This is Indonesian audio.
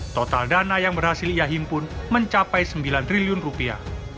total dana yang berhasil ia himpun mencapai sembilan triliun rupiah